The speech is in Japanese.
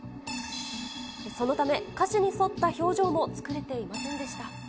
そのため歌詞に沿った表情も作れていませんでした。